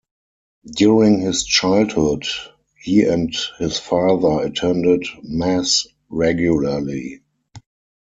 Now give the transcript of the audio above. During his childhood, he and his father attended Mass regularly.